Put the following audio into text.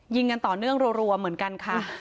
กันต่อเนื่องรัวเหมือนกันค่ะ